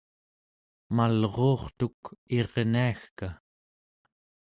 malruurtuk irniagka